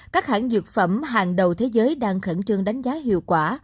các hãng dược phẩm hàng đầu thế giới đang khẩn trương đánh giá hiệu quả